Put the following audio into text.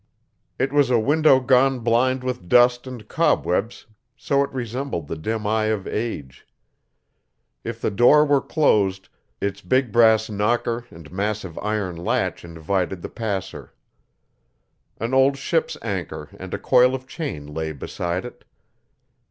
It was a window gone blind with dust and cobwebs so it resembled the dim eye of age. If the door were closed its big brass knocker and massive iron latch invited the passer. An old ship's anchor and a coil of chain lay beside it.